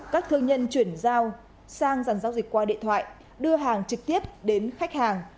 các thương nhân chuyển giao sang dàn giao dịch qua điện thoại đưa hàng trực tiếp đến khách hàng